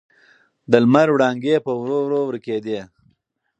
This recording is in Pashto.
د لمر وړانګې په ورو ورو ورکېدې.